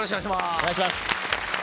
お願いします！